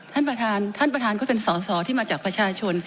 ท่านประธานท่านประธานก็เป็นสอสอที่มาจากประชาชน